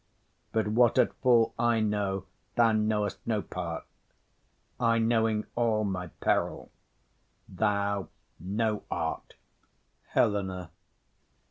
But what at full I know, thou know'st no part; I knowing all my peril, thou no art. HELENA.